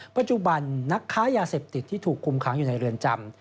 ปัจจุบันนักค้ายาเสพติดที่ถูกคุมค้างอยู่ในเรือนจำ